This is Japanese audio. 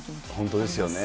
本当ですよね。